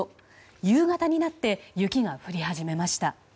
夕方になって雪が降り始めました。